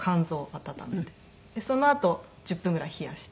そのあと１０分ぐらい冷やして。